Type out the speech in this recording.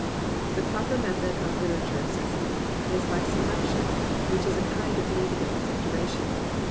"The proper method of litera ture," says he, "is by selection, which is a kind of negative exaggeration."